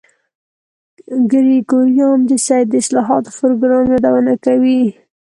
ګریګوریان د سید د اصلاحاتو پروګرام یادونه کوي.